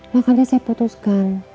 makanya saya putuskan